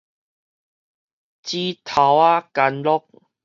指頭仔干樂